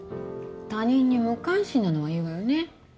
他人に無関心なのはいいわよね